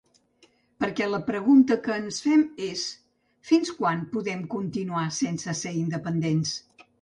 Perquè la pregunta que ens fem és: fins quan podem continuar sense ser independents?